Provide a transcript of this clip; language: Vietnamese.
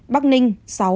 bắc ninh sáu